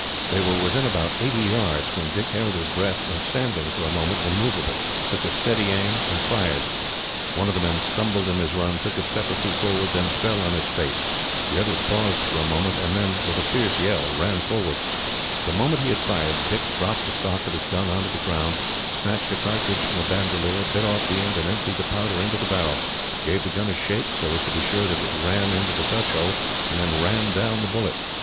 They were within about eighty yards, when Dick held his breath and standing, for a moment, immovable, took a steady aim and fired. One of the men stumbled in his run, took a step or two forward, and then fell on his face. The others paused for a moment, and then, with a fierce yell, ran forward. The moment he had fired, Dick dropped the stock of his gun on to the ground, snatched a cartridge from the bandolier, bit off the end, and emptied the powder into the barrel, gave the gun a shake, so as to be sure that it ran into the touch hole, and then rammed down the bullet.